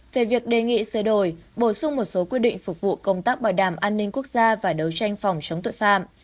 về việc đề nghị sửa đổi bổ sung một số quy định phục vụ công tác bảo đảm an ninh quốc gia và đấu tranh phòng chống tội phạm